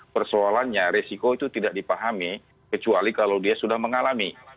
persoalannya resiko itu tidak dipahami kecuali kalau dia sudah mengalami